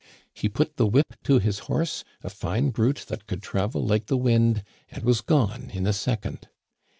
He put the whip to his horse, a fine brute that could travel like the wind, and was gone in a second.